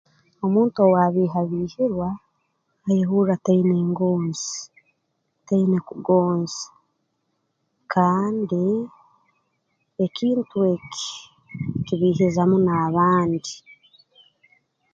Omuntu owaabiihabiihirwa ayehurra taina ngonzi taina kugonza kandi ekintu eki kibiihiza muno abandi